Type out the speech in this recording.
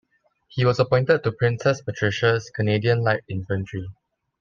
He was appointed to Princess Patricia's Canadian Light Infantry.